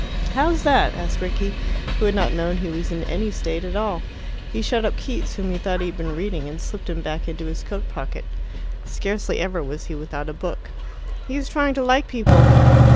"How's that?" asked Rickie, who had not known he was in any state at all. He shut up Keats, whom he thought he had been reading, and slipped him back into his coat pocket. Scarcely ever was he without a book. "He's trying to like people."